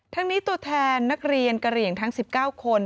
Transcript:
ทั้งนี้ตัวแทนนักเรียนกระเหลี่ยงทั้ง๑๙คน